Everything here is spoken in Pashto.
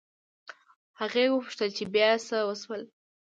هغې وپوښتل چې بيا څه وشول